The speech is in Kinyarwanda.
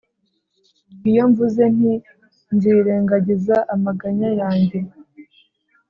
iyo mvuze nti ‘nzirengagiza amaganya yanjye,